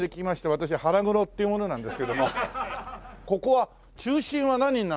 私ハラグロっていう者なんですけどもここは中心は何になるんですか？